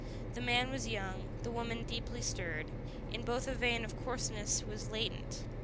The man was young, the woman deeply stirred; in both a vein of coarseness was latent.